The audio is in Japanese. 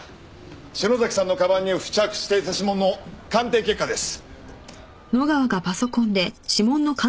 篠崎さんのカバンに付着していた指紋の鑑定結果です。